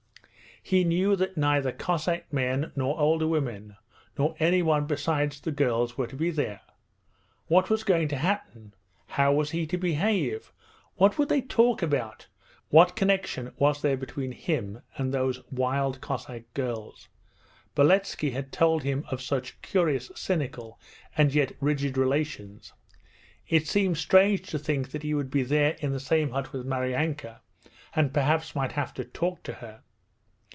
He knew that neither Cossack men nor older women, nor anyone besides the girls, were to be there. What was going to happen? How was he to behave? What would they talk about? What connexion was there between him and those wild Cossack girls? Beletski had told him of such curious, cynical, and yet rigid relations. It seemed strange to think that he would be there in the same hut with Maryanka and perhaps might have to talk to her.